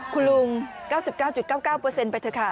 คุณลุง๙๙๙๙๙๙ไปเถอะค่ะ